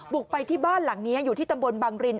บุกไปที่บ้านหลังนี้อยู่ที่ตำบลบังริน